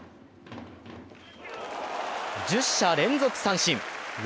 １０者連続三振。